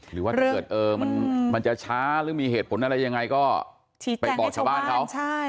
หรือว่าถ้าเกิดมันจะช้าหรือมีเหตุผลอะไรยังไงก็ไปบอกชาวบ้านเขา